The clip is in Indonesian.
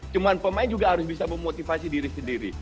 cuma pemain juga harus bisa memotivasi diri sendiri